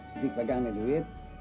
sidik pegang nih duit